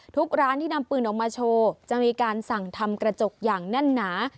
ทุกร้านที่นำปืนออกมาโชว์จะมีการสั่งทำกระจกอย่างแน่นหนา